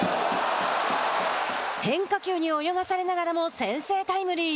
変化球に泳がされながらも先制タイムリー。